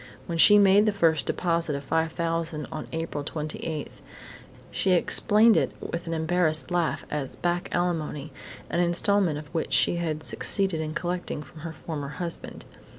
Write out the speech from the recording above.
When she made the first deposit of $5,000 on April 28, she explained it with an embarrassed laugh as 'back alimony', an instalment of which she had succeeded in collecting from her former husband.